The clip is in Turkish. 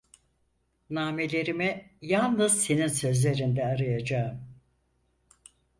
Nağmelerimi yalnız senin sözlerinde arayacağım.